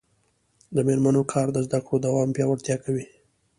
د میرمنو کار د زدکړو دوام پیاوړتیا کوي.